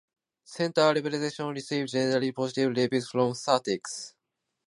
"Central Reservation" received generally positive reviews from critics.